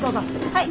はい。